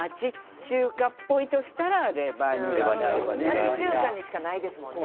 町中華にしかないですもんね